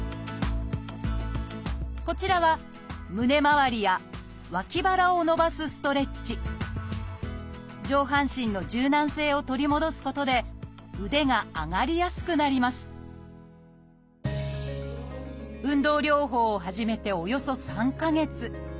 こちらは上半身の柔軟性を取り戻すことで腕が上がりやすくなります運動療法を始めておよそ３か月。